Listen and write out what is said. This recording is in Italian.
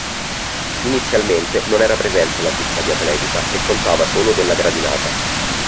Inizialmente non era presente la pista di atletica e contava solo della gradinata.